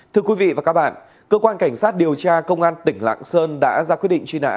thưa quý vị và các bạn cơ quan cảnh sát điều tra công an tỉnh lạng sơn đã ra quyết định truy nã